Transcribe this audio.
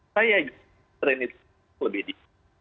saya sering lebih di